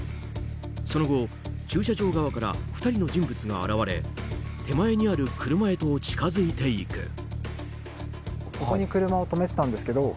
その後、駐車場側から２人の人物が現れ手前にある車へと近づいていく。